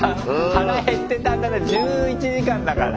腹減ってたんだね１１時間だから。